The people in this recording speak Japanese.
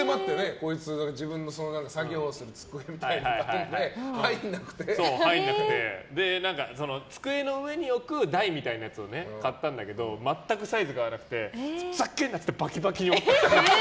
こいつ、自分で作業する机みたいなの頼んで机の上に置く台みたいなやつを買ったんだけど全くサイズが合わなくてふざけんな！って言ってバキバキに折った。